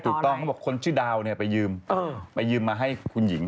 ถูกต้องเขาบอกว่าคนชื่อดาวไปยืมไปยืมมาให้คุณหญิง